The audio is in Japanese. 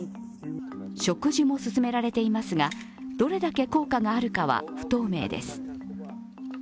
植樹も進められていますが、どれだけ効果があるかは不透明です。